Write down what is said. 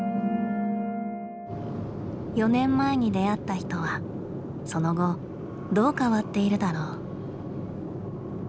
４年前に出会った人はその後どう変わっているだろう。